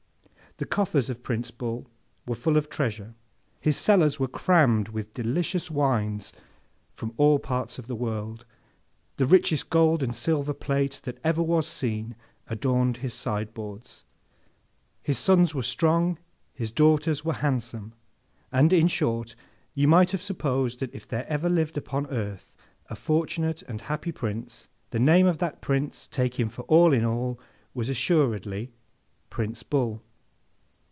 The coffers of Prince Bull were full of treasure, his cellars were crammed with delicious wines from all parts of the world, the richest gold and silver plate that ever was seen adorned his sideboards, his sons were strong, his daughters were handsome, and in short you might have supposed that if there ever lived upon earth a fortunate and happy Prince, the name of that Prince, take him for all in all, was assuredly Prince Bull.